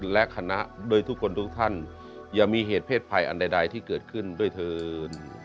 และคณะด้วยทุกคนทุกท่านอย่ามีเหตุเพศภัยอันใดที่เกิดขึ้นด้วยเถิน